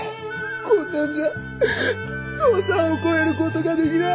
こんなんじゃ父さんを超えることができない。